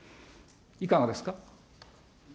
いかがですか。